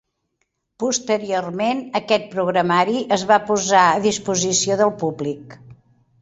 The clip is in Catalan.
Posteriorment, aquest programari es va posar a disposició del públic.